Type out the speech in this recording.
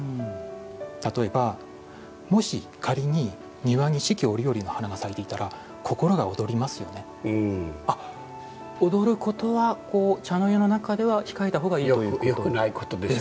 例えば、もし仮に庭に四季折々の花が咲いていたら踊ることは茶の湯の中ではよくないことでしょう。